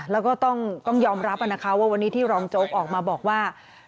แล้วก็ต้องยอมรับนะคะว่าวันนี้ที่รองโจ๊กออกมาบอกว่า